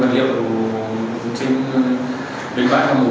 vật liệu trên bến bãi là một lỗi báo của kinh doanh